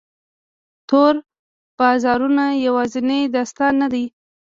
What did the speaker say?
تور بازارونه یوازینی داستان نه دی.